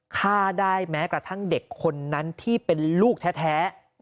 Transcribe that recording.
ฆ่าได้แม้กระทั่งเด็กคนนั้นที่เป็นลูกแท้